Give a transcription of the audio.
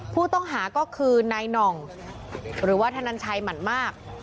ผู้ต้องหาก็คือนายหน่องหรือว่าธนันชัยหมั่นมาก